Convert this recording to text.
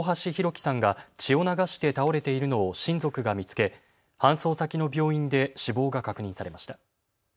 輝さんが血を流して倒れているのを親族が見つけ、搬送先の病院で死亡が確認されました。